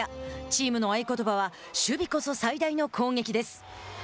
チームの合言葉は守備こそ最大の攻撃です。